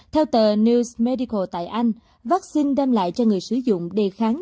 theo tờ news medical tại anh vaccine đem lại cho người sử dụng đề kháng